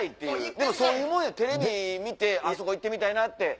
でもそういうもんよテレビ見てあそこ行ってみたいな！って。